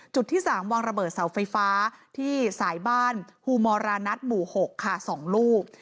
ที่๓วางระเบิดเสาไฟฟ้าที่สายบ้านฮูมอรานัทหมู่๖ค่ะ๒ลูก